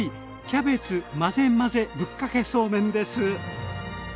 キャベツ混ぜ混ぜぶっかけそうめんです。